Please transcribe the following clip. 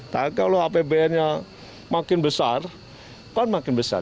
tapi kalau apbn nya makin besar kan makin besar